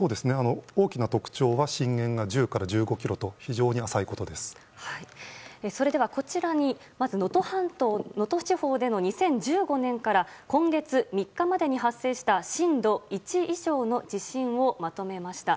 大きな特徴は震源が１０から１５ｋｍとそれでは、こちらにまず能登地方での２０１５年から今月３日までに発生した震度１以上の地震をまとめました。